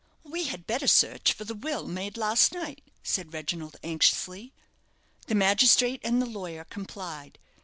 "We had better search for the will made last night," said Reginald, anxiously. The magistrate and the lawyer complied.